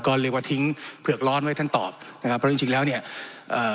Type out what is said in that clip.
ก็เรียกว่าทิ้งเผือกร้อนไว้ท่านตอบนะครับเพราะจริงจริงแล้วเนี้ยเอ่อ